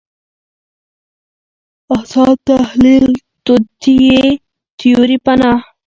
اسان تحلیل توطیې تیوري پناه